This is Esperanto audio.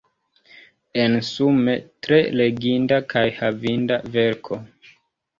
Ensume, tre leginda kaj havinda verko.